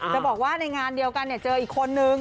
จะบอกว่าในงานเดียวกันเจออีกคนนึง